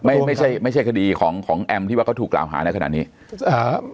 ไม่ใช่ไม่ใช่คดีของของแอมที่ว่าเขาถูกกล่าวหาในขณะนี้อ่า